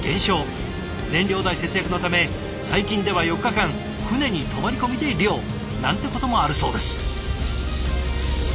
燃料代節約のため最近では４日間船に泊まり込みで漁なんてこともあるそうです。